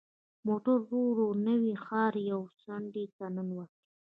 موټر ورو ورو د نوي ښار یوې څنډې ته ننوت.